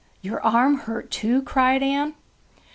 'Your arm hurt too?' cried Anne.